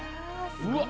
うわっ。